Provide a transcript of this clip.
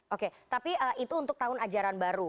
oke tapi itu untuk tahun ajaran baru